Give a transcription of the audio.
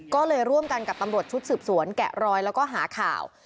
ก็เลยร่วมกันกับตำรวจชุดสืบสวนแกะรอยแล้วก็หาข่าว